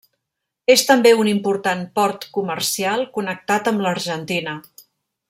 És també un important port comercial, connectat amb l'Argentina.